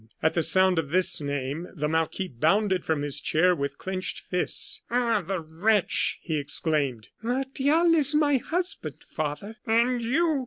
At the sound of this name, the marquis bounded from his chair with clinched fists. "Ah, the wretch!" he exclaimed. "Martial is my husband, father." "And you!